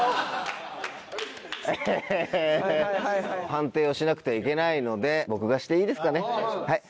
判定をしなくてはいけないので僕がしていいですかね。